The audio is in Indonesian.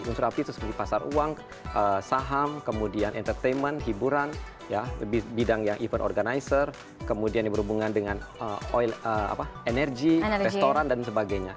unsur api itu seperti pasar uang saham kemudian entertainment hiburan bidang yang event organizer kemudian yang berhubungan dengan energi restoran dan sebagainya